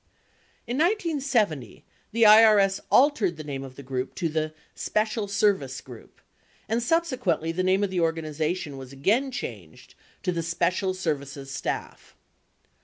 62 In 1970, the IRS altered the name of the group to the Special Service Group, and subsequently the name of the organization was again changed to the Special Service Staff.